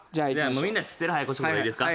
みんな知ってる早口言葉いいですか？